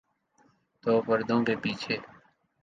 تو پردوں کے پیچھے۔